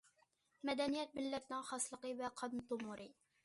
مەدەنىيەت مىللەتنىڭ خاسلىقى ۋە قان تومۇرى.